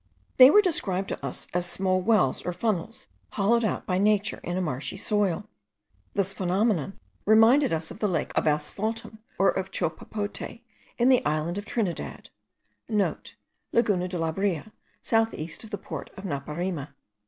They were described to us as small wells or funnels, hollowed out by nature in a marshy soil. This phenomenon reminded us of the lake of asphaltum, or of chopapote, in the island of Trinidad,* (* Laguna de la Brea, south east of the port of Naparima.